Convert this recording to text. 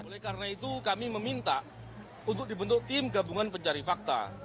oleh karena itu kami meminta untuk dibentuk tim gabungan pencari fakta